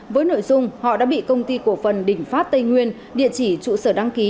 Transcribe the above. với nội dung họ đã bị công ty cổ phần đỉnh phát tây nguyên địa chỉ trụ sở đăng ký